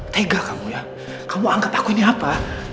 tega kamu ya kamu angkat aku ini apa